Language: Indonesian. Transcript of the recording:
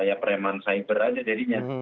ya preman cyber aja jadinya